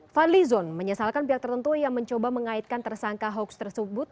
van lizon menyesalkan pihak tertentu yang mencoba mengaitkan tersangka hoax tersebut